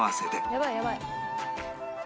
やばいやばい。